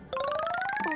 あ。